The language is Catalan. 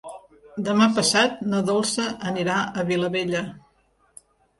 Demà passat na Dolça anirà a Vilabella.